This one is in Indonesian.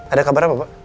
ada kabar apa pak